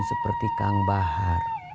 seperti kang bahar